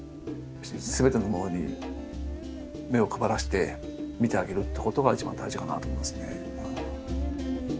すべてのものに目を配らせて見てあげるってことが一番大事かなと思いますね。